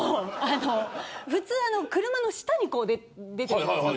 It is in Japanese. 普通、車の下に出てるじゃないですか。